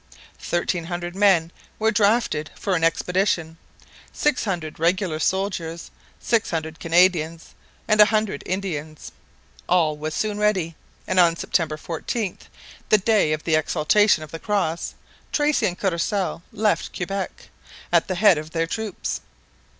Thirteen hundred men were drafted for an expedition six hundred regular soldiers, six hundred Canadians, and a hundred Indians. All was soon ready, and on September 14, the day of the Exaltation of the Cross, Tracy and Courcelle left Quebec, at the head of their troops.